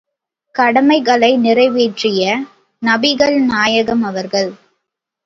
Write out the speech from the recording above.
கடமைகளை நிறைவேற்றிய நபிகள் நாயகம் அவர்கள்!